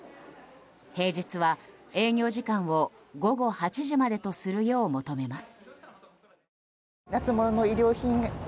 平日は、営業時間を午後８時までとするよう求めます。